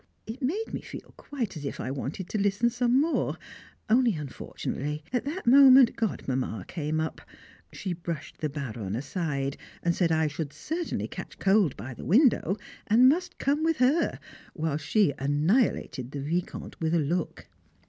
It made me feel quite as if I wanted to listen to some more, only, unfortunately at that moment, Godmamma came up; she brushed the Baron aside, and said I should certainly catch cold by the window, and must come with her, while she annihilated the Vicomte with a look.